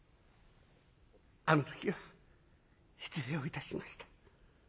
あの時は失礼をいたしました。